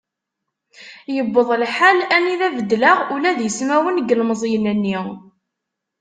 Iwweḍ lḥal anida beddleɣ ula d ismawen n yilmeẓyen-nni.